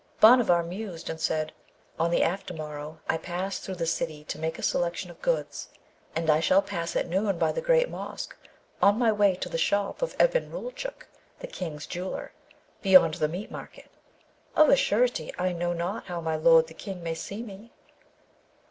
Bhanavar mused and said, 'On the after morrow I pass through the city to make a selection of goods, and I shall pass at noon by the great mosque, on my way to the shop of Ebn Roulchook, the King's jeweller, beyond the meat market. Of a surety, I know not how my lord the King may see me.'